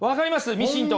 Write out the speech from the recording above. ミシンとか。